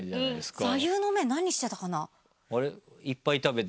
座右の銘何にしてたかな？